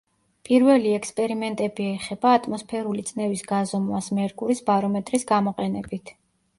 პირველი ექსპერიმენტები ეხება ატმოსფერული წნევის გაზომვას მერკურის ბარომეტრის გამოყენებით.